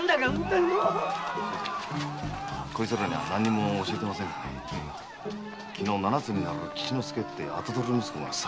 こいつらには何も教えてませんが昨日七つになる吉之助って跡取り息子がさらわれたんです。